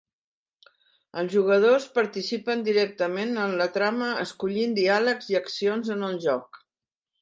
Els jugadors participen directament en la trama escollint diàlegs i accions en el joc.